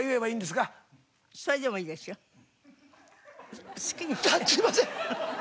すいません！